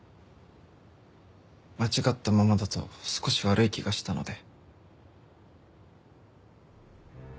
間違ったままだと少し悪い気がしたので。